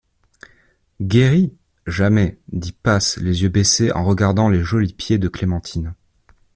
Guéri?... jamais, dit Paz les yeux baissés en regardant les jolis pieds de Clémentine.